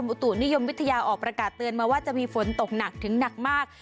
อุตุนิยมวิทยาออกประกาศเตือนมาว่าจะมีฝนตกหนักถึงหนักมาก